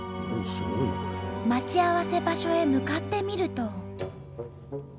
待ち合わせ場所へ向かってみると。